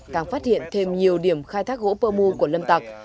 càng phát hiện thêm nhiều điểm khai thác gỗ pơ mu của lâm tặc